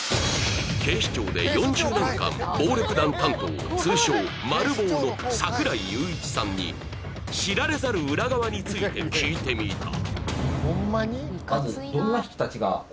警視庁で４０年間暴力団担当通称マル暴の櫻井裕一さんに知られざる裏側について聞いてみた